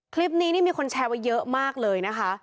คลิปนี้นี่มีคนแชร์ไว้เยอะมากเลยนะคะ